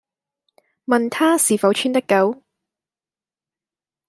問她是否穿得夠？